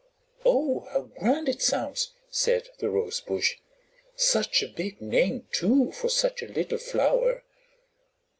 "Oh, how grand is sounds!" said the Rosebush. "Such a big name, too, for such a little flower."